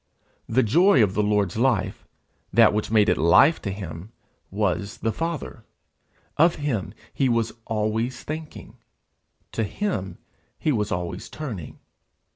The joy of the Lord's life, that which made it life to him, was the Father; of him he was always thinking, to him he was always turning.